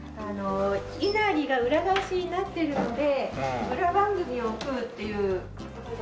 いなりが裏返しになってるので裏番組を食うっていう事で。